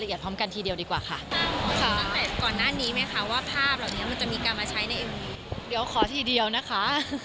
ขอข้ามก่อนค่ะ